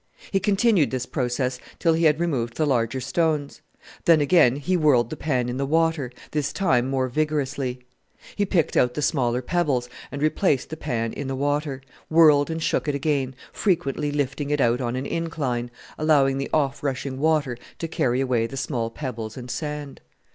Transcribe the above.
He continued this process till he had removed the larger stones. Then again he whirled the pan in the water, this time more vigorously. He picked out the smaller pebbles, and replaced the pan in the water, whirled and shook it again, frequently lifting it out on an incline, allowing the off rushing water to carry away the small pebbles and sand.